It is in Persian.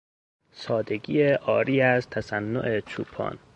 سادگی عاری از تصنع چوپان